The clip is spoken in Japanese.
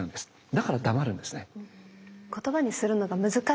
だから黙るんですね。